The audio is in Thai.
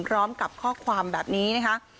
พร้อมกับข้อความแบบนี้นะคะ